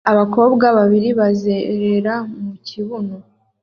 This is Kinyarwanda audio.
Abakobwa babiri bazerera mu kibuno